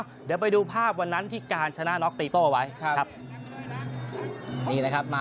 เดี๋ยวไปดูภาพวันนั้นที่การชนะดูนกตีโต้ไว้